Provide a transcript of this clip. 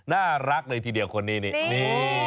น่ารักเลยทีเดียวคนนี้นี่